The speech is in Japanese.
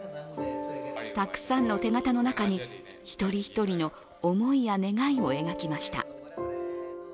たくさんの手形の中に、一人一人の思いや願いを描きました。